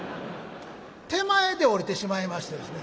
手前で降りてしまいましてですね。